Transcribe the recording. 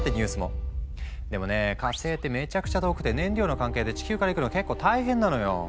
でもね火星ってめちゃくちゃ遠くて燃料の関係で地球から行くの結構大変なのよ。